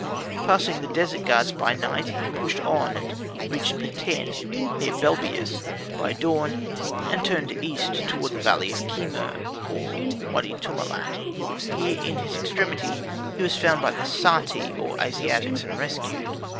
Passing the desert guards by night he pushed on and reached Peten, near Belbeis, by dawn, and turned east toward the valley of Kemur, or Wady Tumilat. Here in his extremity he was found by the Sati or Asiatics, and rescued.